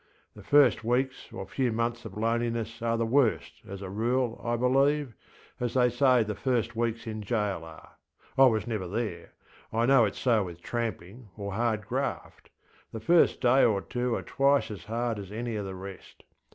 The first weeks or few months of loneliness are the worst, as a rule, I believe, as they say the first weeks in jail areŌĆöI was never there. I know itŌĆÖs so with tramping or hard graft: the first day or two are twice as hard as any of the rest.